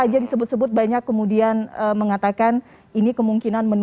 jadi subvarian br dua adalah varian omikron